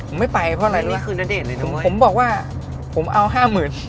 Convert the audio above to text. ผมไม่ไปเพราะอะไรรู้ไหมผมบอกว่าผมเอาห้าหมื่น